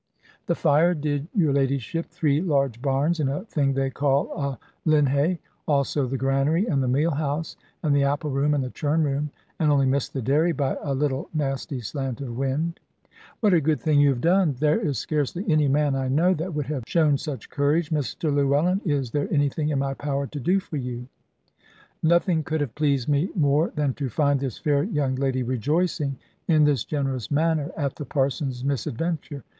"The fire did, your ladyship, three large barns, and a thing they call a 'linhay;' also the granary, and the meal house, and the apple room, and the churn room, and only missed the dairy by a little nasty slant of wind." "What a good thing you have done! There is scarcely any man I know, that would have shown such courage. Mr Llewellyn, is there anything in my power to do for you?" Nothing could have pleased me more than to find this fair young lady rejoicing in this generous manner at the Parson's misadventure.